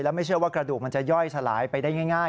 ไม่เชื่อว่ากระดูกมันจะย่อยสลายไปได้ง่าย